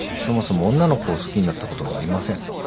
そもそも女の子を好きになったことがありません。